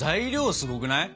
すごくない？